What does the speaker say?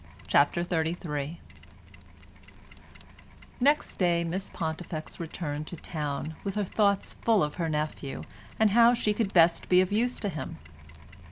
CHAPTER XXXIII Next day Miss Pontifex returned to town, with her thoughts full of her nephew and how she could best be of use to him.